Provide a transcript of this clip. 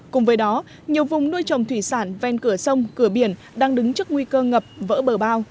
cùng với đó nhiều vùng nuôi trồng thủy sản ven cửa sông cửa biển đang đứng trước nguy cơ ngập vỡ bờ bao